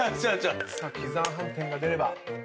さあ喜山飯店が出れば。